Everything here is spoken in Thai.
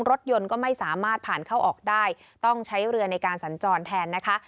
รถยนต์ก็ไม่สามารถผ่านเข้าออกได้ต้องใช้เรือในการสัญจรแทนนะคะ